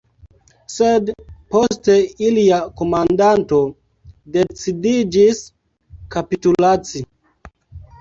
Sed poste ilia komandanto decidiĝis kapitulaci.